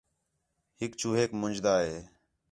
ہِک چوہیک منجھدا ہِے